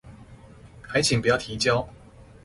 還請不要提交